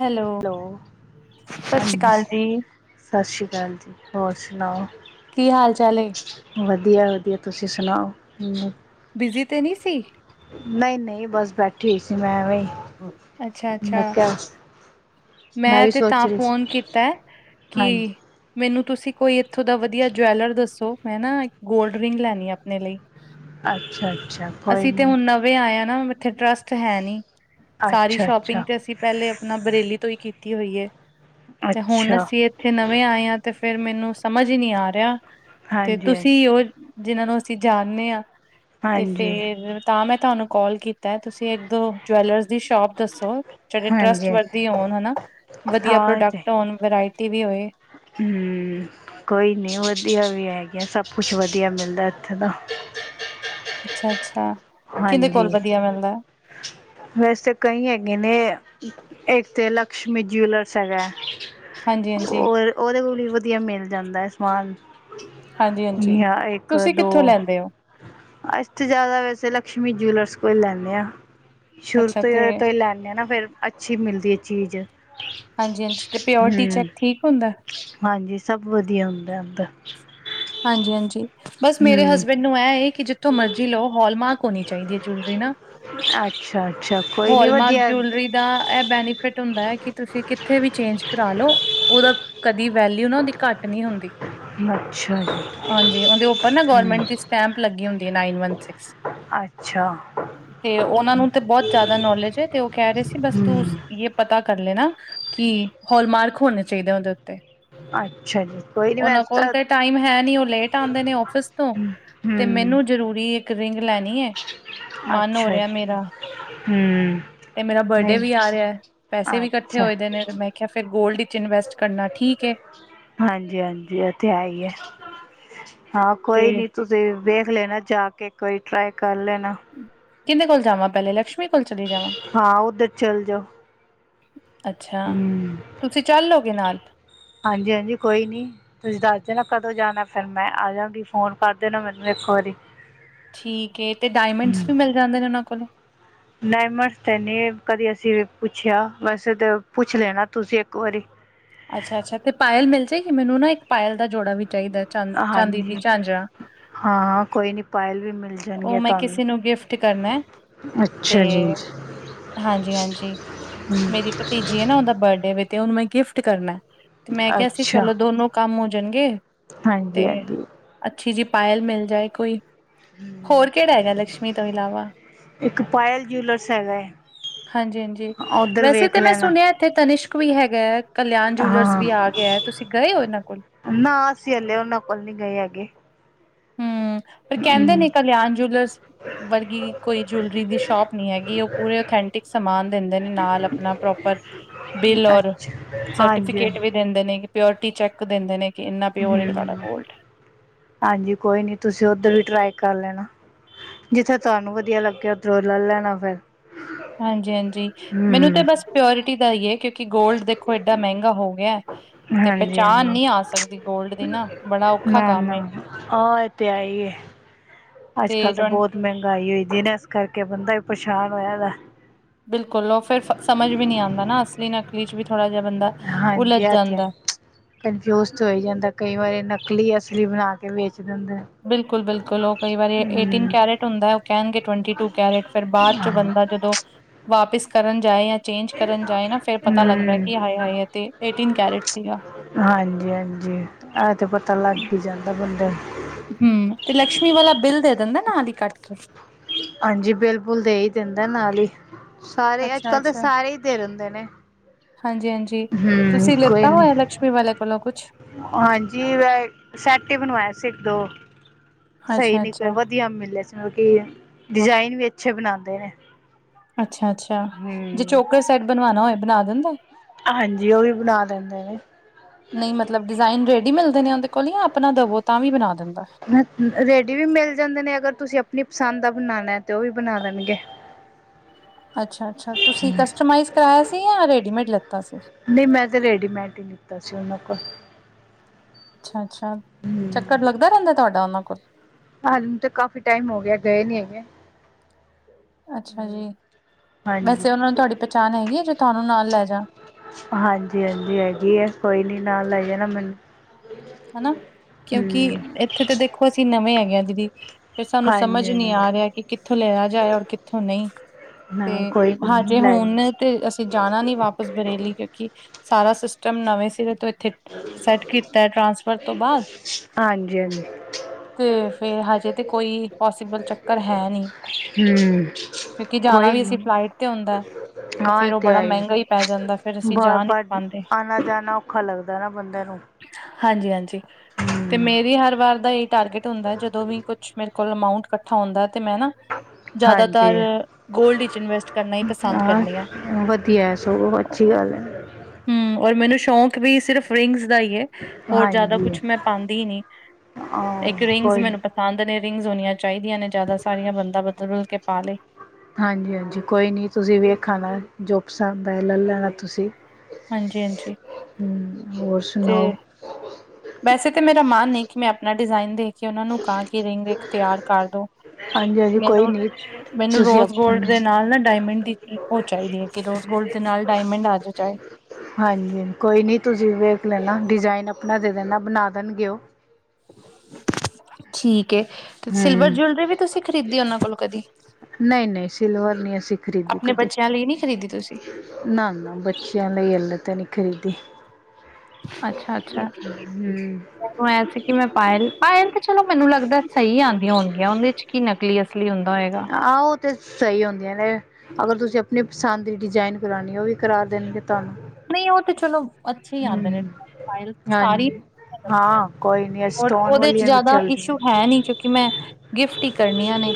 Hello, ਸਤਿ ਸ਼੍ਰੀ ਹਾਂਜੀ ਅਕਾਲ ਜੀ। ਸਤਿ ਸ਼੍ਰੀ ਅਕਾਲ ਜੀ, ਹੋਰ ਸੁਣਾਓ? ਕੀ ਹਾਲ ਚਾਲ ਏ ਵਧੀਆ- ਵਧੀਆ ਤੁਸੀਂ ਸੁਣਾਓ? ਬਿਜੀ ਤੇ ਨਹੀਂ ਸੀ। ਨਹੀਂ- ਨਹੀਂ ਬਸ ਬੈਠੀ ਹੋਈ ਸੀ ਮੈਂ ਐਵੇਂ ਹੀ। ਅੱਛਾ, ਅੱਛਾ। ਮੈਂ ਕਿਹਾ ਮੈਂ ਵੀ ਤੇ ਸੋਚ ਤਾਂ ਰਹੀ ਸੀ ਫੋਨ ਕੀਤਾ, ਹਾਂਜੀ ਕੀ ਮੈਨੂੰ ਤੁਸੀਂ ਕੋਈ ਇੱਥੋਂ ਦਾ ਵਧੀਆ ਜੁਵੈਲਰ ਦੱਸੋ, ਮੈਂ ਨਾ ਇੱਕ ਗੋਲਡ ਰਿੰਗ ਲੈਣੀ ਆ ਆਪਣੇ ਲਈ। ਅੱਛਾ-ਅੱਛਾ ਕੋਈ ਨਹੀਂ। ਨਵੇ ਆਏ ਆ ਨਾ ਇੱਥੇ ਟਰੱਸਟ ਹੈ ਨੀ ਸਾਰੀ ਅੱਛਾ ਅੱਛਾ ਸ਼ੋਪਿੰਗ ਤੇ ਅਸੀਂ ਪੈਲੇ ਆਪਣਾ ਬਰੇਲੀ। ਤੋਂ ਹੀ ਕੀਤੀ ਹੋਈ ਹੈ, ਤੇ ਹੁਣ ਅੱਛਾ ਅਸੀਂ ਇਥੇ ਨਵੇਂ ਆਏ ਆ ਤੇ ਫੇਰ, ਮੈਨੂੰ ਸਮਝ ਹੀ ਨਹੀਂ ਆ ਰਿਹਾ। ਤੇ ਹਾਂਜੀ ਤੁਸੀਂ ਉਹ ਜਿਨਾਂ ਨੂੰ ਅਸੀਂ ਜਾਨਨੇ ਆਂ, ਤੇ ਹਾਂਜੀ ਫੇਰ ਤਾਂ ਮੈਂ ਤੁਹਾਨੂੰ ਕੋਲ ਕੀਤਾ। ਤੁਸੀਂ ਇੱਕ-ਦੋ ਜਵੈਲਰਸ ਦੀ ਸ਼ੋਪ ਦੱਸੋ? ਹਾਂਜੀ ਜਿਹੜੇ ਟਰਸਟ ਹਾਂਜੀ ਵਰਦੀ ਹੋਣ ਹਨਾ, ਵਧੀਆ ਹਾਂ ਪ੍ਰੋਡਕਟ ਹੋਣ ਵਰ੍ਹਾਇਟੀ ਵੀ ਹੋਏ। ਹੂੰ, ਕੋਈ ਨਹੀਂ ਵਧੀਆ ਵੀ ਹੈਗਾ, ਸਭ ਕੁਛ ਵਧੀਆ ਮਿਲਦਾ ਇੱਥੇ ਤਾ। ਅੱਛਾ, ਅੱਛਾ। ਕਿਹਦੇ ਹਾਂਜੀ, ਕੋਲ ਵਧੀਆ ਮਿਲਦਾ ਵੈਸ ਤਾਂ ਕਈ ਹੈਗੇ ਨੇ ਇੱਕ ਤੇ ਲਕਸ਼ਮੀ ਜਿਵੈਲਰਸ ਹੈਗਾ। ਹਾਂਜੀ ਹਾਂਜੀ ਓ ਉਹਦੇ ਕੋਲ ਵੀ ਵਧੀਆ ਮਿਲ ਜਾਂਦਾ ਹੈ ਸਮਾਨ। ਹਾਂਜੀ ਹਾਂਜੀ ਨੀ ਹ ਇੱਕ, ਤੁਸੀਂ ਦੋ। ਕਿੱਥੋਂ ਲੈਂਦੇ ਹੋ ਅਸੀ ਤਾਂ ਜ਼ਿਆਦਾ ਵੈਸੇ ਲਕਸ਼ਮੀ ਜੂਲਰਸ ਕੋਲੋ ਲੈਂਦੇ ਆ। ਸ਼ੁਰੂ ਅੱਛਾ ਤੋਂ ਤੇ ੳਦੇ ਤੋਂ ਹੀ ਲੈਂਨੇ ਹਾਂ ਨਾ, ਫਿਰ ਅੱਛੀ ਮਿਲਦੀ ਹੈ ਚੀਜ਼। ਹਾਂਜੀ-ਹਾਂਜੀ ਤੇ ਪਿਓਰਟੀ ਹਮ ਚੈੱਕ ਠੀਕ ਹੁੰਦਾ। ਹਾਂਜੀ, ਸਭ ਵਧੀਆ ਹੁੰਦਾ ਓਂਦਾ। ਹਾਂਜੀ-ਹਾਂਜੀ, ਬਸ ਮੇਰੇ ਹਸਬੈਂਡ ਨੂੰ ਐ ਏ ਕਿ, ਜਿ ਕਿਥੋਂ ਮਰਜ਼ੀ ਲਓ ਹੋਲਮਾਰਕ ਹੋਣੀ ਚਾਹੀਦੀ ਹੈ, ਜਊਲਰੀ ਨਾ। ਅੱਛਾ-ਅੱਛਾ ਕੋਈ ਨੀ ਵਧੀਆ। ਜੂਲਰੀ ਦਾ ਇਹ ਬੈਨੀਫਿਟ ਹੁੰਦਾ ਹੈ ਕਿ ਤੁਸੀਂ ਕਿੱਥੇ ਵੀ ਚੇਂਜ ਕਰਾਲੋ। ਉਹਦਾ, ਕਦੀ ਵੈਲਿਊ ਨਾ ਉਹਦੀ ਘੱਟ ਨਹੀਂ ਹੁੰਦੀ। ਅੱਛਾ। ਹਾਂਜੀ, ਉਹਦੇ ਉੱਪਰ ਨਾ ਹਮ ਗਵਰਮੈਂਟ ਦੀ ਸਟੈਂਪ ਲੱਗੀ ਹੁੰਦੀ ਏ, ਨਾਈਨ ਵਨ ਸਿਕਸ। ਅੱਛਾ। ਤੇ ਉਹਨਾਂ ਨੂੰ ਤੇ ਬਹੁਤ ਜ਼ਿਆਦਾ ਨੌਲੇਜ ਹੈ, ਤੇ ਉਹ ਕਹਿ ਰਹੇ ਸੀ ਬਸ ਤੂੰ। ਹਮ ਜਿਹ ਪਤਾ ਕਰ ਲੈਣਾ, ਕਿ ਹੋਲਮਾਰਕ, ਹੋਣੇ ਚਾਹੀਦੇ ਉਹਦੇ ਉੱਤੇ। ਅੱਛਾ ਜੀ, ਕੋਈ ਨੀ ਵੈਸ ਤਾਂ ਨਹੀਂ ਉਹ ਲੇਟ ਆਂਦੇ ਨੇ ਆਫਿਸ ਤੋਂ, ਤੇ ਹਮ ਮੈਨੂੰ ਜ਼ਰੂਰੀ ਇੱਕ ਰਿੰਗ ਲੈਣੀ ਏ। ਮਨ ਹੋ ਅੱਛਾ ਰਿਹਾ ਜੀ ਮੇਰਾ। ਹਮ ਤੇ ਮੇਰਾ ਬਡੇ ਨਹੀਂ ਵੀ ਆ ਰਿਹਾ, ਪੈਸੇ ਵੀ ਇਕੱਠੇ ਅੱਛਾ ਹੋਏ ਨੇ, ਮੈਂ ਕਿਹਾ ਫੇਰ ਗੋਲਡ ਚ ਇਨਵੈਸਟ ਕਰਨਾ ਠੀਕ ਹੈ। ਹਾਂਜੀ-ਹਾਂਜੀ ਐ ਤੇ ਹੈਹੀ ਏ, ਹਾਂ ਤੇ ਕੋਈ ਨੀ ਤੁਸੀਂ ਵੇਖ ਲੈਣਾ ਜਾ ਕੇ ਇੱਕ ਵਾਰੀ, ਟਰਾਈ ਕਰ ਲੈਣਾ। ਕਿੰਦੇ ਕੋਲ ਜਾਵਾਂ ਪਹਿਲੇ, ਲਕਸ਼ਮੀ ਕੋਲ ਚਲੀ ਜਾਵਾਂ। ਹਾਂ ਉੱਧਰ ਚੱਲ ਜਾਓ ਅੱਛਾ, ਹੂੰ ਤੁਸੀਂ ਚੱਲ ਲਓਗੇ ਨਾਲ। ਹਾਂਜੀ-ਹਾਂਜੀ ਕੋਈ ਨਹੀਂ। ਤੁਸੀਂ ਦੱਸਦੇ ਨਾ ਕਦੋਂ ਜਾਣਾ ਫੇਰ, ਮੈਂ ਆ ਜਾਗੀ ਫੋਨ ਕਰ ਦੇ ਨਾ ਮੈਨੂੰ ਇੱਕ ਵਾਰੀ। ਠੀਕ ਏ ਤੇ ਡਾਇਮੰਡਸ ਵੀ ਮਿਲ ਜਾਂਦੇ ਨੇ, ਉਹਨਾਂ ਕੋਲੋ ਡਾਇਮੰਡਸ ਤੇ ਨੀ ਕਦੇ ਅਸੀਂ ਵੀ ਪੁੱਛਿਆ, ਵੈਸੇ ਤਾਂ ਪੁੱਛ ਲੈਣਾ ਤੁਸੀਂ ਇੱਕ ਵਾਰੀ। ਅੱਛਾ-ਅੱਛਾ ਤੇ ਪਾਇਲ ਮਿਲ ਜਾਏਗੀ ਮੈਨੂੰ ਨਾ ਇੱਕ ਪਾਇਲ ਦਾ ਜੋੜਾ ਵੀ ਚਾਹੀਦਾ। ਚਾਂ ਚਾਂਦੀ ਦੀ ਹਾਂਜੀ ਝਾਂਜਰਾਂ ਹਾਂ ਕੋਈ ਨੀ ਪਾਇਲ ਵੀ ਮਿਲ ਜਾ। ਉਹ ਮੈਂ ਕਿਸੇ ਨੂੰ ਗਿਫਟ ਕਰਨਾ, ਤੇ ਅੱਛਾ ਜੀ ਹਾਂਜੀ-ਹਾਂਜੀ, ਮੇਰੀ ਭਤੀਜੀ ਏ ਨਾ, ਉਹਦਾ ਬਡੇ ਵੇ, ਤੇ ਉਹਨੂੰ ਮੈਂ ਗਿਫਟ ਕਰਨਾ। ਤੇ ਮੈਂ ਕਿਹਾ ਸੀ ਅੱਛਾ ਚਲੋ ਦੋਨੋ ਕੰਮ ਹੋ ਜਾਣਗੇ, ਹਾਂਜੀ ਤੇ। ਹਾਂਜੀ ਅੱਛੀ ਜੀ ਪਾਇਲ ਮਿਲ ਜਾਏ ਕੋਈ। ਹੋਰ ਕਿਹੜਾ ਹੈਗਾ, ਲਕਸ਼ਮੀ ਤੋਂ ਇਲਾਵਾ? ਇੱਕ ਪਾਇਲ ਜ- ਪਲੱਸ ਹੈਗਾ ਏ। ਹਾਂਜੀ-ਹਾਂਜੀ। ਵੈਸੇ ਤਾਂ ਮੈਂ ਲੈਣਾ ਸੁਣਿਆ ਇੱਥੇ ਤਨਿਸ਼ਕ ਵੀ ਹੈਗਾ ਏ, ਕਲਿਆਣ ਜੂਲਰਸ ਹਾਂ ਵੀ ਆ ਗਿਆ, ਤੁਸੀਂ ਗਏ ਹੋ ਇਹਨਾਂ ਕੋਲ? ਨਾ ਅਸੀਂ ਹਲੇ ਉਹਨਾਂ ਕੋਲ ਨੀ ਗਏ ਹੈਗੇ। ਹੂੰ, ਪਰ ਕਹਿੰਦੇ ਹਮ ਨੇ ਕਲਿਆਣ ਜਿਉਲਰਸ ਵਰਗੀ, ਕੋਈ ਜੂੳਲਰੀ ਦੀ ਸ਼ੋਪ ਨੀ ਹੈਗੀ, ਉਹ ਪੂਰੇ ਓਥੈਂਟਿਕ ਸਮਾਨ ਦਿੰਦੇ ਨੇ, ਨਾਲ ਆਪਣਾ ਪ੍ਰੋਪਰ ਬਿੱਲ ਔਰ ਅੱਛਾ, ਸਰਟੀਫਿਕੇਟ ਹਾਂਜੀ-ਹਾਂਜੀ। ਵੀ ਦਿੰਦੇ ਨੇ ਕਿ ਪਿਓਰਟੀ ਚੈੱਕ ਦਿੰਦੇ ਨੇ ਕਿ ਇੰਨਾ ਪਿਓਰ ਇੱਕ ਤੁਹਾਡਾ ਹਮ ਗੋਲਡ ਹੈ। ਹਾਂਜੀ ਕੋਈ ਨੀ ਤੁਸੀ ਉੱਧਰ ਵੀ ਟ੍ਰਾਈ ਕਰ ਲੈਣਾ। ਜਿੱਥੇ ਤੁਹਾਨੂੰ ਵਧੀਆ ਲੱਗੇ, ਉੱਧਰੋਂ ਲੈ ਲੈਣਾ ਫੇਰ। ਹਾਂਜੀ-ਹਾਂਜੀ ਮੈਨੂੰ ਤਾਂ ਬਸ ਪਿਓਰਿਟੀ ਦਾ ਹੀ ਹੈ ਕਿਉਂਕਿ ਗੋਲਡ ਦੇਖੋ ਏਡਾ ਮੈਂਗਾ ਹੋ ਗਿਆ। ਤੇ ਹਾਂਜੀ-ਹਾਂਜੀ ਪਹਿਚਾਣ ਨੀ ਆ ਸਕਦੀ ਗੋਲਡ ਚ ਦੀ ਨਾ, ਬੜਾ ਔਖਾ ਕੰਮ ਨਾ-ਨਾ, ਏ। ਔਰ। ਤੇ ਆਈਏ, ਅੱਜ ਤੇ ਕੱਲ ਤਾਂ ਟਵੰ ਬੌਤ ਮਹਿੰਗਾਈ ਹੋਈ ਦੀ ਨਾ, ਇਸ ਕਰਕੇ ਬੰਦਾ ਵੀ ਪਰੇਸ਼ਾਨ ਹੋਇਆ ਵਾ। ਬਿਲਕੁਲ, ਉਹ ਫਿਰ ਸਮਝ ਵੀ ਨੀ ਆਂਦਾ ਨਾ, ਅਸਲੀ-ਨਕਲੀ ਚ ਵੀ ਥੋੜਾ ਜਿਹਾ ਬੰਦਾ ਉਲਝ ਜਾਂਦਾ। ਕਨਫਿਊਜ਼ਡ ਹੋਈ ਜਾਂਦਾ ਕਈ ਵਾਰੀ ਨਕਲੀ ਅਸਲੀ ਬਣਾਕੇ ਵੇਚ ਦਿੰਦੇ ਨੇ। ਬਿਲਕੁਲ-ਬਿਲਕੁਲ, ਉਹ ਕਈ ਵਾਰੀ ਏਟੀਨ ਕੈਰੇਟ ਹੁੰਦਾ, ਉਹ ਕਹਿਣਗੇ ਟਵੰਟੀ ਟੂ ਕੈਰਟ ਫਿਰ ਬਾਅਦ ਚ ਬੰਦਾ ਜਦੋਂ ਵਾਪਿਸ ਕਰਨ ਜਾਏ ਯਾ ਚੇਂਜ ਕਰਨ ਜਾਏ ਨਾ, ਫਿਰ ਪਤਾ ਲੱਗਦਾ, ਹਮ ਕਿ ਹਾਏ-ਹਾਏ ਏਟੀਨ ਕੈਰਟ ਸੀਗਾ। ਹਾਂਜੀ-ਹਾਂਜੀ, ਇਹ ਤੇ ਪਤਾ ਲੱਗ ਹੀ ਜਾਂਦਾ ਬੰਦੇ ਨੂੰ ਹਮ ਤੇ ਲਕਸ਼ਮੀ ਵਾਲਾ ਬਿੱਲ ਦੇ ਦਿੰਦਾ ਨਾਲ ਹੀ ਕੱਟ ਕੇ। ਹਾਂਜੀ ਬਿਲਕੁਲ ਦੇ ਹੀ ਦਿੰਦਾ ਨਾਲ ਹੀ। ਸਾਰੇ, ਅੱਜ ਕੱਲ੍ਹ ਤਾਂ ਸਾਰੇ ਹੀ ਦੇ ਦਿੰਦੇ ਨੇ। ਹਾਂਜੀ-ਹਾਂਜੀ, ਹਮ ਤੁਸੀਂ ਕੋਈ ਲਿੱਤਾ ਨੀ ਹੋਇਆ ਲਕਸ਼ਮੀ ਵਾਲੇ ਕੋਲੋਂ ਕੁਛ? ਹਾਂਜੀ, ਵੈ ਸੈਟ ਹੀ ਬਣਵਾਇਆ ਸੀ ਇੱਕ- ਦੋ ਸਹੀ ਅੱਛਾ ਨਿਕ ਅੱਛਾ ਵਧ ਮਿਲਿਆ ਸੀ, ਮਤਲਬ ਕਿ ਡਿਜ਼ਾਇਨ ਵੀ ਅੱਛੇ ਬਣਾਦੇ ਨੇ। ਅੱਛਾ-ਅੱਛਾ ਜੇ ਹਮ ਚੋਕਰ ਸੈਟ ਬਣਵਾਉਣਾ ਹੋਏ ਬਣਾ ਦਿੰਦੇ ਏ। ਹਾਂਜੀ, ਉਹ ਵੀ ਬਣਾ ਦਿੰਦੇ ਨੇ। ਨਈ, ਮਤਲਬ ਡਿਜ਼ਾਇਨ ਰੈਡੀ ਮਿਲਦੇ ਨੇ ਉਹਦੇ ਕੋਲ ਜਾਂ ਆਪਣਾ ਦਵੋ ਤਾਂ ਵੀ ਬਣਾ ਦਿੰਦਾ? ਰੇਡੀ ਵੀ ਮਿਲ ਜਾਦੇ ਨੇ, ਅਗਰ ਤੁਸੀ ਆਪਣੀ ਪਸੰਦ ਦਾ ਬਣਾਣਾ ਤੇ ਉਹ ਵੀ ਬਣਾ ਦੇਣਗੇ। ਅੱਛਾ-ਅੱਛਾ, ਤੁਸੀਂ ਕਸਟਮਾਈਜ਼ ਕਰਾਇਆ ਸੀ ਜਾਂ ਰੇਡੀਮੇਡ ਲੈਤਾ ਸੀ। ਨਈ, ਮੈ ਤਾਂ ਰੇਡੀਮੇਡ ਹੀ ਲਿਤਾ ਸੀ ਉਹਨਾਂ ਕੋਲ- ਅੱਛਾ-ਅੱਛਾ, ਹਮ ਚੱਕਰ ਲੱਗਦਾ ਰਹਿੰਦਾ ਤੁਹਾਡਾ ਉਹਨਾਂ ਕੋਲ। ਸਾਨੂੰ ਤਾਂ ਕਾਫ਼ੀ ਟਾਈਮ ਹੋ ਗਿਆ ਗਏ ਨੀ ਹੈਗੇ। ਅੱਛਾ ਹੂੰ ਜੀ, ਹਾਂਜੀ, ਵੈਸੇ ਉਹਨਾਂ ਨੂੰ ਤੁਹਾਡੀ ਪਹਿਚਾਣ ਹੈਗੀ ਏ, ਜੇ ਤੁਹਾਨੂੰ ਨਾਲ ਲੈ ਜਾ। ਹਾਂਜੀ-ਹਾਂਜੀ, ਹੈਗੀ ਏ, ਕੋਈ ਨੀ ਨਾਲ ਲੈ ਜਾਣਾ ਮੈਨੂੰ। [inaudible] ਇਥੇ ਤਾਂ ਦੇਖੋ ਅਸੀਂ ਨਵੇ ਹੈਗੇ ਦੀਦੀ। ਫਿਰ ਸਾਨੂੰ ਸਮਝ ਨੀ ਹਾਂਜੀ-ਹਾਂਜੀ ਆ ਰਿਹਾ, ਕਿ ਕਿੱਥੋਂ ਲੈਆ ਜਾਏ ਔਰ ਕਿੱਥੋਂ ਨਹੀਂ। ਤੇ ਨਾ ਕੋਈ ਨੀ ਹਜੇ ਲੈ ਹੁਣ ਤੇ, ਅਸੀਂ ਜਾਣਾ ਨੀ ਵਾਪ ਬਰੇਲੀ, ਕਿਉਂਕਿ ਸਾਰਾ ਸਿਸਟਮ ਨਵੇਂ ਸਿਰੇ ਤੋਂ ਇੱਥੇ ਸੈਟ ਕੀਤਾ ਟ੍ਰਾਂਸਫਰ ਤੋਂ ਬਾਅਦ, ਹਾਂਜੀ-ਹਾਂਜੀ ਤੇ ਫੇਰ ਹਜੇ ਤੇ ਕੋਈ ਪੋਸੀਬਲ- ਚੱਕਰ ਹੈ ਨਹੀਂ, ਹੂੰ ਕਿਉਂਕਿ ਜਾਣਾ ਕੋਈ ਵੀ ਅਸੀਂ ਨੀ ਫਲਾਈਟ ਤੇ ਹੁੰਦਾ। ਤੇ ਹਾਂ ਫਿਰ ਇਹ ਉਹ ਬੜਾ ਹੈ ਮਹਿੰਗਾ ਹੀ ਪੈ ਜਾਂਦਾ, ਫਿਰ ਅਸੀਂ ਜਾ ਨਹੀਂ ਬਾਰ-ਬਾਰ ਪਾਉਂਦੇ ਆਣਾ ਜਾਣਾ ਔਖਾ ਲੱਗਦਾ ਨਾ ਬੰਦੇ ਨੂੰ ਹਾਂਜੀ- ਹਾਂਜੀ ਤੇ ਹੂੰ ਮੇਰੀ ਹਰ ਵਾਰ ਦਾ ਇਹ ਟਾਰਗੇਟ ਹੁੰਦਾ, ਜਦੋ ਵੀ ਕੁਛ ਮੇਰੇ ਕੋਲ ਅਮਾਊਂਟ- ਇਕੱਠਾ ਹੁੰਦਾ, ਤੇ ਮੈਂ ਨਾ ਜ਼ਿਆਦਾਤਰ ਹਾਂਜੀ ਗੋਲਡ ਵਿਚ ਇਨਵੈਸਟ ਕਰਨਾ ਹੀ ਪਸੰਦ ਕਰਨੀ ਆ। ਹਾਂ ਵਧੀਆ ਸਗੋਂ ਅੱਛੀ ਗੱਲ ਹੈ। ਹਮ, ਔਰ ਮੈਨੂੰ ਸ਼ੌਕ ਵੀ ਸਿਰਫ ਰਿੰਗਸ ਦਾ ਹੀ ਹੈ। ਹੋਰ ਜਿਆਦਾ ਹਾਂਜੀ ਕੁਛ ਮੈ ਪਾਉਦੀ ਨੀ, ਇਕ ਹਾਂ ਰਿੰਗਜ਼ ਕੋਈ ਮੈਨੂੰ ਪਤਾ- ਹਥ ਦੇ ਰਿੰਗਜ਼ ਹੋਣੀਆਂ ਚਾਹੀਦੀਆਂ ਨੇ ਜਿਆਦਾ ਸਾਰੀਆਂ ਬੰਦਾ ਬਦਲ- ਬੁਦਲ ਕੇ ਪਾ ਲਏ- ਹਾਂਜੀ- ਹਾਂਜੀ ਕੋਈ ਨੀ ਤੁਸੀ ਵੇਖ ਆਉਣਾ ਜੋੁਪਸਨਦ ਲੈ ਲੈਣਾ ਤੁਸੀ। ਹਾਂਜੀ ਹਾਂਜੀ ਹਮ, ਹੋਰ ਤੇ ਸੁਣਾਓ? ਵੈਸੇ ਤਾਂ ਮੇਰਾ ਮਨ ਹੈ। ਕਿ ਮੈ ਆਪਣਾ ਡਿਜ਼ਾਇਨ ਦੇਖ ਕੇ ਉਹਨਾਂ ਨੂੰ ਕਿਹਾਂ ਕਿ ਰਿੰਗ ਇਕ ਤਿਆਰ ਕਰ ਦੋ- ਹਾਂਜੀ-ਹਾਂਜੀ ਕੋਈ ਮੈਨੂੰ, ਨੀ ਮੈਨੂੰ ਤੁਸੀਂ ਰੋਜ਼ ਗੋਲਡ ਆਪਣੇ ਦੇ ਨਾਲ ਨਾ ਡਾਇਮੰਡ ਦੀ ਉਹ ਚਾਹੀਦੀ ਹੈ ਕਿ ਰੋਜ਼ ਗੋਲਡ ਦੇ ਨਾਲ ਡਾਇਮੰਡ ਆ ਜੇ, ਚਾਹੇ ਹਾਂਜੀ, ਕੋਈ ਨਹੀ ਤੁਸੀ ਵੇਖ ਲੈਣਾ ਡਿਜ਼ਾਇਨ ਆਪਣਾ ਦੇ ਦੇਣਾ, ਬਣਾ ਦੇਣਗੇ ਉਹ। ਠੀਕ ਏ, ਤੇ ਸਿਲਵਰ ਹੂੰ ਜਿਊਲਰੀ ਵੀ ਤੁਸੀ ਖਰੀਦੀ ਉਹਨਾ ਕੋਲ, ਕਦੀ- ਨਹੀ- ਨਹੀ, ਸਿਲਵਰ ਨਹੀ ਅਸੀ ਖਰੀਦੀ ਆਪਣੇ ਕਦੇ- ਬੱਚਿਆਂ ਲਈ ਨਹੀਂ ਖ਼ਰੀਦੀ ਤੁਸੀਂ ਨਾ- ਨਾ, ਬੱਚਿਆਂ ਲਈ ਹਲੇ ਤਾਂ ਨਹੀਂ ਖਰੀਦੀ ਅਛਾ- ਅਛਾ ਹੂੰ ਮੈਨੂੰ ਐ ਸੀ ਕਿ ਮੈ ਪਾਇਲ- ਪਾਇਲ ਤੇ ਚਲੋ ਮੈਨੂੰ ਲਗਦਾ। ਸਹੀ ਆਉਂਦੀਆਂ ਹੋਣਗੀਆਂ, ਉਹਦੇ 'ਚ ਕੀ ਨਕਲੀ ਅਸਲੀ ਹੁੰ ਆਹੋ ਤੇ ਸਹੀ ਹੁੰਦੀਆਂ ਨੇ, ਅਗਰ ਤੁਸੀਂ ਆਪਣੀ ਪਸੰਦ ਦੀ ਡਿਜਾਇਨ ਕਰਾਉਣੀ, ਉਹ ਵੀ ਕਰਾ ਦੇਣਗੇ ਤੁਹਾਨੂੰ ਨਹੀ ਉਹ ਤੇ ਚਲੋ, ਅੱਛੇ ਹੀ ਆਉਦੇ ਨੇ- ਹੂੰ ਸਾਰੀ, ਹਾਂਜੀ ਹਾਂ ਕੋਈ ਨੀ ਸਟੋਨ ਉਹਦੇ 'ਚ ਵਾਲੀਆਂ ਵੀ ਜਿਆਦਾ ਚੱਲਦੀਆਂ ਇਸ਼ੂ ਨੇ। ਹੈ। ਨੀ ਚੁ- ਕਿ ਮੈਂ, ਗਿਫਟ ਹੀ ਕਰਨੀਆਂ ਨੇ।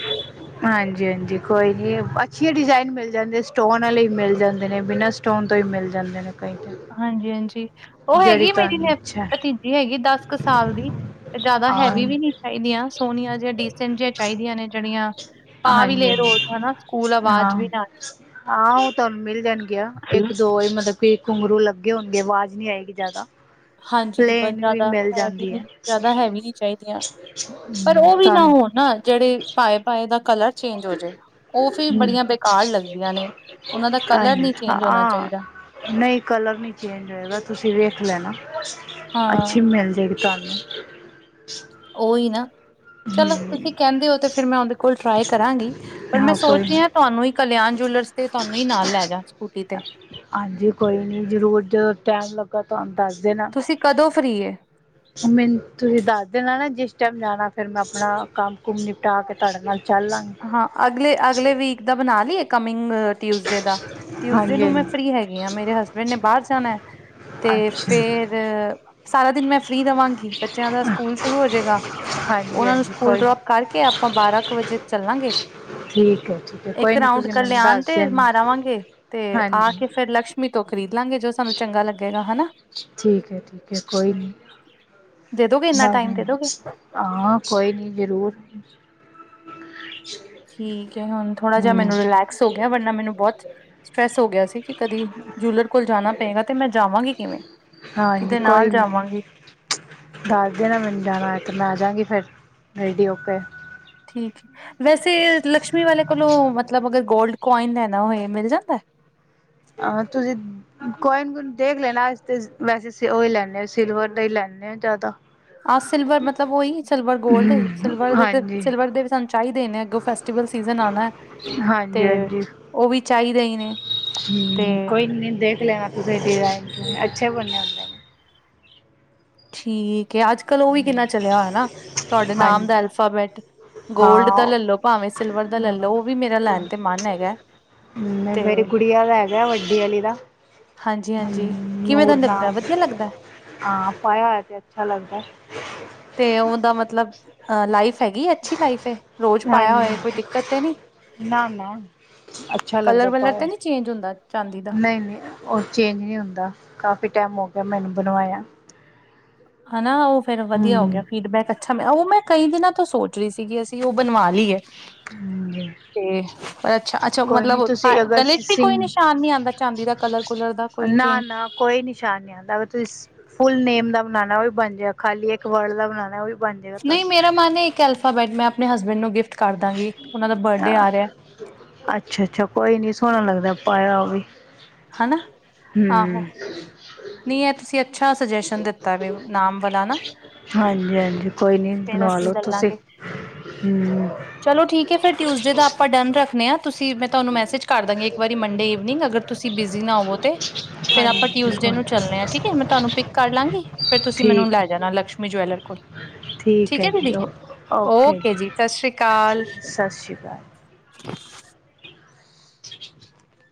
ਹਾਂਜੀ- ਹਾਂਜੀ ਕੋਈ ਨਹੀਂ, ਅੱਛੇ ਡਿਜ਼ਾਇਨ ਮਿਲ ਜਾਂਦੇ, ਸਟੋਨ ਵਾਲੇ ਮਿਲ ਜਾਂਦੇ ਨੇ, ਬਿਨਾਂ ਸਟੋਨ ਤੋਂ ਹੀ ਮਿਲ ਜਾਂਦੇ ਨੇ ਕਈ ਤਾਂ ਹਾਂਜੀ -ਹਾਂਜੀ, ਉਹ ਜਿਹੜੀ ਹੈਗੀ ਮੇਰੀ ਤੁਹਾਨੂੰ ਇੱਛਾ ਭਤੀਜੀ ਹੈਗੀ, ਦਸ ਕੁ ਸਾਲ ਦੀ ਜ਼ਿਆਦਾ ਹੈਵੀ ਹਾਂਜੀ ਵੀ ਨਹੀਂ ਚਾਹੀਦੀਆਂ, ਸੋਹਣੀਆਂ ਜਿ ਡੀਸੈਂਟ ਜਿ ਚਾਹੀਦੀਆਂ ਨੇ ਜਿਹੜੀਆਂ ਪਾ ਵੀ ਲੇ ਹਾਂਜੀ- ਰੋਜ਼ ਹਨਾ ਸਕੂਲ ਹਾਂਜੀ ਹਾਂ, ਆਵਾਜ਼ ਵੀ ਨਾ ਆਏ। ਹਾਂ ਉਹ ਤੁਹਾਨੂੰ ਮਿਲ ਜਾਣਗੀਆਂ। ਇੱਕ ਦੋ ਹੀ ਮਤਲਬ ਕਿ ਘੁੰਘਰੂ ਲੱਗੇ ਹੋਣਗੇ ਆਵਾਜ਼ ਨੀ ਆਏਗੀ ਜ਼ਿਆਦਾ ਹਾਂ [inaudible] ਹਾਂਜੀ ਬ ਪਲੇਨ ਵੀ ਜ਼ਿਆਦਾ ਮਿਲ ਹੈ ਵੀ ਜਾਂਦੀ ਨਹੀਂ ਜ਼ਿਆਦਾ ਹੈਵੀ ਨਹੀਂ ਚਾਹੀਦੀਆਂ, ਪਰ ਉਹ ਵੀ ਨਾ ਤੁਹਾਨੂੰ ਹੋਣ ਨਾ, ਜਿਹੜੇ ਪਾਏ -ਪਾਏ ਦਾ ਕਲਰ ਚੇਜ ਹੋ ਜੇ, ਉਹ ਵੀ ਬੜੀਆਂ ਬੇਕਾਰ ਲਗਦੀਆਂ ਨੇ, ਉਹਨਾਂ ਦਾ ਕਲਰ ਨਹੀ ਚੇਂਜ ਹੋਣਾ ਹਾਂ ਚਾਹੀਦਾ- ਨਹੀਂ ਕਲਰ ਨਹੀਂ ਚੇਂਜ ਹੋਏਗਾ, ਤੁਸੀਂ ਵੇਖ ਲੈਣਾ, ਹਾਂ ਅੱਛੀ ਮਿਲ ਜਾਵੇਗੀ। ਗਨੂੰ [unintelligible] ਉਹੀ ਨਾ, ਹਮ ਚਲੋ ਤੁਸੀ ਕਹਿੰਦੇ ਹੋ ਤੇ ਫਿਰ ਮੈ ਉਹਦੇ ਕੋਲ ਟਰਾਈ ਕਰਾਂਗੀ। ਪਰ ਮੈਂ ਹਾਂ ਕੋਈ ਸੋਚ ਰਹੀ ਨੀ ਹਾਂ ਤੁਹਾਨੂੰ ਹੀ ਕਲਿਆਣ ਜਵੈਲਰਜ਼ ਤੇ, ਤੁਹਾਨੂੰ ਹੀ ਨਾਲ ਲੈ ਜਾ ਸਕੂਟੀ ਤੇ। ਹਾਂਜੀ ਕੋਈ ਨੀ ਜ਼ਰੂਰ, ਜਦ ਟਾਈਮ ਲੱਗਾ ਤੁਹਾਨੂੰ ਦੱਸ ਦੇਣਾ ਤੁਸੀਂ ਕਦੋਂ ਫ੍ਰਰੀ ਏ? ਮੈਨੂੰ, ਤੁਸੀ ਦੱਸ ਦੇਣਾ ਨਾ ਜਿਸ ਟਾਈਮ ਜਾਣਾ। ਫਿਰ ਮੈਂ ਆਪਣਾ, ਕੰਮ ਕੂਮ ਨਿਪਟਾ ਕੇ ਤੁਹਾਡੇ ਨਾਲ- ਚੱਲ ਲਾਂਗੀ ਹਾਂ ਅਗਲੇ- ਅਗਲੇ ਵੀਕ ਦਾ ਬਣਾ ਲਈਏ ਕਮਿੰਗ- ਟਿਊਜ਼ਡੇ ਦਾ, ਟਿਊਜ਼ਡੇ ਹਾਂਜੀ ਨੂੰ ਮੈ ਫ੍ਰਰੀ ਹੈਗੀ ਹਾਂ ਮੇਰੇ ਹਸਬੈਂਡ ਨੇ ਬਾਹਰ ਜਾਣਾ ਹੈ। ਹਾਂਜੀ ਤੇ ਅੱਛਾ ਫੇਰ, ਸਾਰਾ ਦਿਨ ਮੈਂ ਫਰੀ ਰਹਾਂਗੀ, ਬੱਚਿਆਂ ਦਾ ਸਕੂਲ ਸ਼ੁਰੂ ਹੋ ਜਾਏਗਾ। ਹਾਂਜੀ ਉਹਨਾਂ ਨੂੰ ਹਾਂਜੀ ਸਕੂਲ ਕੋਈ ਡਰੋਪ ਕਰਕੇ, ਆਪਾਂ ਬਾਰਾਂ ਕੁ ਵਜੇ ਚਲਾਂਗੇ, ਠੀਕ ਹੈ ਠੀਕ ਹੈ ਇਕ ਕੋਈ ਨਹੀਂ ਰਾਊਂਡ ਤੁਸੀਂ ਮੈਨੂੰ ਕਲਿਆਣ ਦੱਸ ਤੇ ਦੇਣਾ ਮਾਰ ਆਵਾਂਗੇ, ਤੇ ਆ ਹਾਂਜੀ ਕੇ- ਫਿਰ ਲਕਸ਼ਮੀ ਤੋਂ ਖਰੀਦ ਲਵਾਂਗੇ, ਜੋ ਸਾਨੂੰ ਚੰਗਾ ਲਗੇਗਾ, ਹਨਾ। ਠੀਕ ਹੈ, ਠੀਕ ਹੈ, ਕੋਈ ਨਹੀ ਦੇ ਦੋਗੇ ਇੰਨਾ ਦੱਸ ਟਾਈਮ ਦੇ ਦੋਗੇ ਦਿ- ਹਾਂ ਕੋਈ ਨਹੀ ਜਰੂਰ। ਠੀਕ ਹੈ, ਹੁਣ ਥੋੜਾ ਜਿਹਾ ਹਮ ਮੈਨੂੰ ਰਿਲੈਕਸ ਹੋ ਗਿਆ ਵਰਨਾ ਮੈਨੂੰ ਬਹੁਤ ਸਟਰ੍ਰੈਸ ਹੋ ਗਿਆ ਸੀ ਕਿ ਕਦੀ ਜੂਲਰ ਕੋਲ ਜਾਣਾ ਪਏਗਾ, ਤੇ ਮੈਂ ਜਾਵਾਂਗੀ ਕਿਵੇ। ਹਾਂਜੀ ਕਿਦੇ ਨਾਲ ਕੋਈ ਨਹੀਂ ਜਾਵਾਂਗੀ ਦੱਸ ਦਿਨਾ ਮੈਨੂੰ ਜਾਣਾ ਏ ਤੇ, ਮੈ ਆ ਜਾਗੀ ਫੇਰ ਰੇਡੀ ਹੋਕੇ- ਠੀਕ ਹੈ, ਵੈਸੇ ਲਕਸ਼ਮੀ ਵਾਲੇ ਕੋਲੋ ਮਤਲਬ ਅਗਰ ਗੋਲਡ ਕੋਆਇਨ ਲੈ ਨਾ ਹੋਵੇ, ਮਿਲ ਜਾਦਾ। ਆਹੋ ਤੁਸੀਂ ਕੋਈ ਨੀ ਕੋਈ ਦੇਖ ਲੈਣਾ, ਅਸੀ ਤੇ ਵੈਸੇ ਉਹ ਹੀ ਲੈਨੇ ਆ, ਸਿਲਵਰ ਦਾ ਹੀ ਲੈਨੇ ਆ ਜਿਆਦਾ। ਆਹ ਸਿਲਵਰ ਮਤਲਬ ਉਹੀ, ਸਿਲਵਰ ਗੋਲਡ ਸਿਲਵਰ ਦੇ ਹਾਂਜੀ ਸਿਲਵਰ ਦੇ ਸਾਨੂੰ ਚਾਹੀਦੇ ਨੇ, ਅੱਗੋਂ ਫੈਸਟੀਵਲ ਸੀਜਨ ਆਉਣਾ ਹੈ, ਹਾਂਜੀ ਤੇ ਉਹ ਵੀ ਚਾਹੀਦਾ ਹੀ ਨੇ ਤੇ ਹੂ, ਕੋਈ ਨਹੀਂ ਦੇਖ ਲੈਣਾ ਤੁਸੀੇ ਡਿਜ਼ਾਈਨ, ਅੱਛੇ ਬਣੇ ਹੋਂਦੇ ਨ ਠੀਕ ਹੈ, ਅਜ ਕਲ੍ ਉਹ ਵੀ ਕਿੰਨਾ ਚਲਿਆ ਹੋਯਾ ਨਾ, ਤੁਹਾਡੇ ਨਾਮ ਹਾਂਜੀ ਦਾ ਅਲਫਾਬੈਟ। ਗੋਲਡ ਹਾਂ ਦਾ ਹਾਂ ਲੈਲੋ, ਭਾਵੇਂ ਸਿਲਵਰ ਦਾ ਲੈ ਲੋ, ਉਹ ਵੀ ਮੇਰਾ ਲੈਣ ਤੇ ਮਨ ਹੈਗਾ। ਹੂ, ਤੇ ਮੇਰੀ ਗੁੜੀਆਂ ਦਾ ਹੈਗਾ ਵੱਡੀ ਵਾਲੀ ਦਾ ਹਾਂਜੀ ਹੂ, ਹਾਂਜੀ ਕਿਵੇਂ ਦਾ ਨੂਰ ਨਾ ਲੱਗਦਾ ਵਧੀਆ ਲੱਗਦਾ ਹਾਂ ਪਾਇਆ ਹੋਇਆ ਤੇ ਅਛਾ ਲਗਦਾ। ਤੇ ਉਹਦਾ ਮਤਲਬ ਲਾਈਫ ਹੈਗੀ, ਅਛੀ ਲਾਈਫ ਹੈ। ਰੋਜ਼ ਪਾਇਆ ਹੋਏ ਕੋਈ ਹਾਂਜੀ ਦਿੱਕਤ ਤੇ ਨੀ, ਨਾ ਨਾ ਅੱਛਾ ਕਲਰ ਵਲਰ ਤੇ ਨੀ ਚੇਂਜ ਹੁੰਦਾ, ਚਾਂਦੀ। ਦਾ ਨਹੀ ਨਹੀ, ਉਹ ਚੇਜ ਨਹੀ ਹੁੰਦਾ, ਕਾਫੀ ਟਾਈਮ ਹੋ ਗਿਆ ਮੈਨੂੰ ਬਣਵਾਇਆ। ਹੈਨਾ ਉਹ ਫੇਰ ਵਧੀਆ ਹੋ ਗਿਆ ਹੂੰ, ਫੀਡਬੈਕ- ਅਛਾ, ਮੈ ਉਹ ਮੈ ਕਈ ਦਿਨਾਂ ਤੋ ਸੋਚ ਰਹੀ ਸੀ ਕਿ ਅਸੀ ਉਹ ਬਣਵਾ ਲਈਏ। ਹਾਂਜੀ ਤੇ ਪਰ, ਅਛਾ- ਅਛਾ ਕੋਈ ਨੀ ਮਤਲਬ ਤੁਸੀਂ ਅਗਰ ਗਲੇ 'ਚ ਵੀ ਸਿੰਘ ਕੋਈ ਨਿਸ਼ਾਨ ਨੀ ਆਉਦਾ ਚਾਂਦੀ ਦਾ, ਕਲਰ ਕੁਲਰ ਦਾ- ਕੋਈ ਚੇਜ- ਨਾ-ਨਾ ਕੋਈ ਨਿਸ਼ਾਨ ਨਹੀਂ ਆਂਦਾ, ਅਗਰ ਤੁਸੀਂ ਫੁਲ ਨੇਮ ਦਾ ਬਣਾਉਣਾ, ਉਹ ਵੀ ਬਣ ਜਾ, ਖਾਲੀ ਇੱਕ ਵਰਡ ਦਾ ਬਣਾਉਣਾ ਉਹ ਬਣ ਜਾਏਗਾ ਨਹੀਂ ਤੁਹਾਡਾ ਮੇਰਾ ਮਨ ਹੈ ਇੱਕ ਅਲਫਾ ਬੈਟ ਮੈਂ ਆਪਣੇ ਹਸਬੈਂਡ ਨੂੰ ਗਿਫਟ ਕਰ ਦਾਂਗੀ ਉਹਨਾਂ ਦਾ ਬਰਡੇ ਆ ਰਿਹਾ ਅੱਛਾ -ਅੱਛਾ, ਕੋਈ ਨੀ ਸੋਹਣਾ ਲੱਗਦਾ ਪਾਇਆ ਉਹ ਵੀ ਹੂੰ - ਨਹੀ ਇਹ ਤੁਸੀ ਅਛਾ ਸੁਜੈਸ਼ਨ ਦਿੱਤਾ ਵੇ, ਨਾਮ ਵਾਲਾ ਨਾ- ਹਾਂਜੀ- ਹਾਂਜੀ ਕੋਈ ਨੀ, ਫੇਰ ਬਣਵਾ ਅਸੀਂ ਲੋੋ ਲੈ ਤੁਸੀ ਲਾਂਗੇ ਹੂੰ - ਚਲੋ ਠੀਕ ਹੈ, ਫਿਰ ਟਿਊਜ਼ਡੇ ਦਾ ਆਪਾਂ ਡਨ ਰੱਖਦੇ ਹਾਂ, ਤੁਸੀਂ ਮੈਂ ਤੁਹਾਨੂੰ ਮੈਸੇਜ ਕਰ ਦਾਂਗੀ ਇੱਕ ਵਾਰੀ ਮੰਡੇ ਈਵਨਿੰਗ ਅਗਰ ਤੁਸੀ ਬਿਜੀ ਨਾ ਹੋਵੋ ਤੇ- ਹਾਂਜੀ, ਬਿਲਕੁਲ। ਚਲਣੇ ਆ ਠੀਕ ਹੈ, ਮੈ ਤੁਹਾਨੂੰ ਪਿੱਕ ਕਰ ਲਾਂਗੀ, ਫੇਰ ਤੁਸੀ ਮੈਨੂੰ ਠੀਕ ਲੈ ਜਾਣਾ ਲਕਸ਼ਮੀ ਜਵੈਲਰ ਕੋਲ। ਠੀਕ ਹੈ ਦੀਦੀ, ਓਕੇ ਜੀ ਸਤਿ ਸ੍ਰੀ ਅਕਾਲ। ਸਤਿ ਸ਼੍ਰੀ ਅਕਾਲ। ਹ [inaudible] ਹ [inaudible]